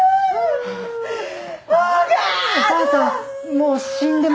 もう死んでます